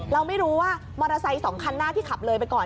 เราไม่รู้ว่ามอเตอร์ไซค์๒คันหน้าที่ขับเลยไปก่อน